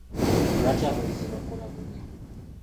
Lwaki abayizi bakola bubi?